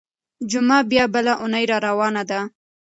جمعه بيا بله اونۍ راروانه ده.